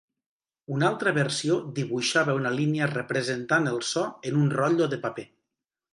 Una altra versió dibuixava una línia representant el so en un rotllo de paper.